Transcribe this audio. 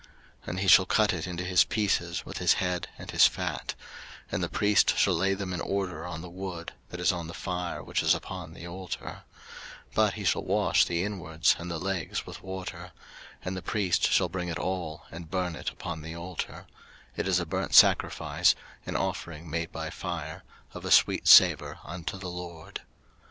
03:001:012 And he shall cut it into his pieces, with his head and his fat: and the priest shall lay them in order on the wood that is on the fire which is upon the altar: 03:001:013 But he shall wash the inwards and the legs with water: and the priest shall bring it all, and burn it upon the altar: it is a burnt sacrifice, an offering made by fire, of a sweet savour unto the LORD.